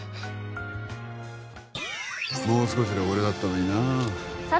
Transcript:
もう少しで俺だったのになあ